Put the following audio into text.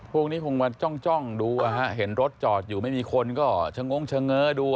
พวกนี้คงมาจ้องดูเห็นรถจอดอยู่ไม่มีคนก็ชะงงเฉงอดู